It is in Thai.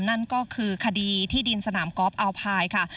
นั่นก็คือคดีที่ดินสนามกอล์ฟอัลพายค่ะ